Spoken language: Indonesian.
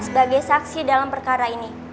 sebagai saksi dan pekala ini